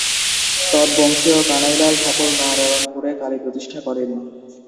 তদ্ববংশীয় কানাইলাল ঠাকুর নারায়ন পুরে কালি প্রতিষ্ঠা করেন।